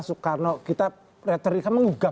soekarno kita retorika mengugah